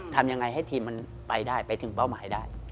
ทำยังไงให้ทีมมันไปได้ไปถึงเป้าหมายได้